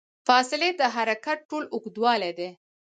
فاصلې د حرکت ټول اوږدوالی دی.